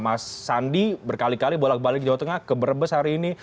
mas sandi berkali kali bolak balik jawa tengah ke brebes hari ini